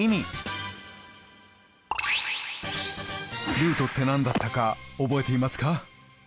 ルートって何だったか覚えていますか？